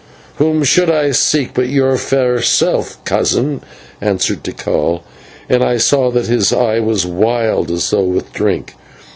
"Whom should I seek but your fair self, cousin?" answered Tikal and I saw that his eye was wild, as though with drink.